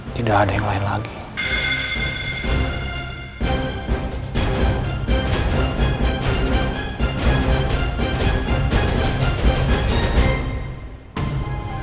adi adalah segalanya bagi jessica